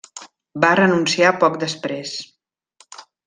Va renunciar poc després.